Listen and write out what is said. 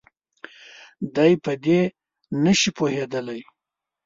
دی په دې نه شي پوهېدلی.